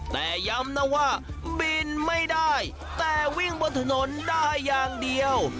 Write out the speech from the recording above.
แต่ย้ำนะว่าบินไม่ได้แต่วิ่งบนถนนได้อย่างเดียว